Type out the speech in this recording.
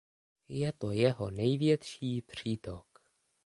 Je to jeho největší přítok.